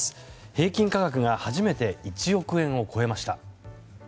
平均価格が初めて１億円を超えました。